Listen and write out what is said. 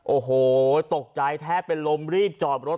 โอ้โหตกใจแทบเป็นลมรีบจอดรถ